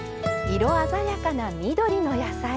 色鮮やかな緑の野菜。